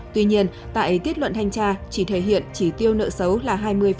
tuy nhiên tại kết luận thanh tra chỉ thể hiện chỉ tiêu nợ xấu là hai mươi chín mươi hai